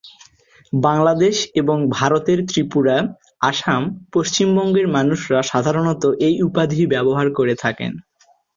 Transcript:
বাংলাদেশ এবং ভারতের ত্রিপুরা, আসাম, পশ্চিম বঙ্গের মানুষরা সাধারনত এই উপাধি ব্যবহার করে থাকেন।